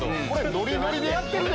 ノリノリでやってる。